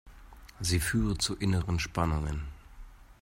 Sie führen zu inneren Spannungen.